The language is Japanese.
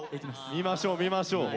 見ましょう見ましょう。